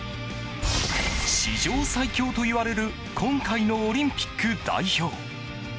史上最強といわれる今回のオリンピック代表。